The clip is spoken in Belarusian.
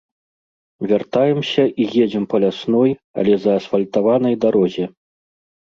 Вяртаемся і едзем па лясной, але заасфальтаванай дарозе.